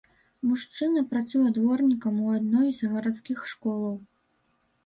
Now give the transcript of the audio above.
Мужчына працуе дворнікам у адной з гарадскіх школаў.